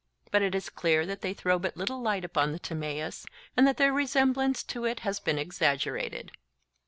But it is clear that they throw but little light upon the Timaeus, and that their resemblance to it has been exaggerated.